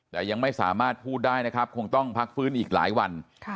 แต่ยังไม่สามารถพูดได้นะครับคงต้องพักฟื้นอีกหลายวัน